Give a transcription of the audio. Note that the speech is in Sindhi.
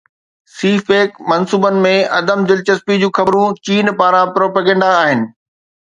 سي پيڪ منصوبن ۾ عدم دلچسپي جون خبرون چين پاران پروپيگنڊا آهن